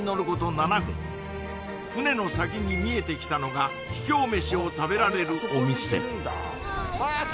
７分船の先に見えてきたのが秘境飯を食べられるお店